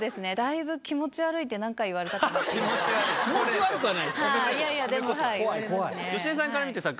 だいぶ気持ち悪いって、何回言われたかなって。